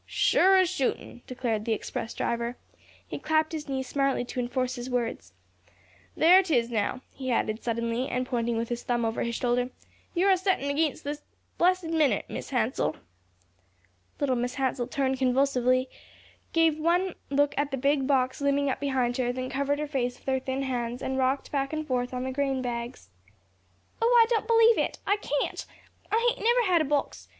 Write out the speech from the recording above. "Sure as shootin'," declared the express driver. He clapped his knee smartly to enforce his words. "There 'tis now," he added suddenly, and pointing with his thumb over his shoulder; "you're a settin' ag'inst it this blessed minute, Mis' Hansell." Little Mrs. Hansell turned convulsively, gave one look at the big box looming up behind her, then covered her face with her thin hands, and rocked back and forth on the grain bags. "Oh, I don't believe it; I can't. I hain't never had a box.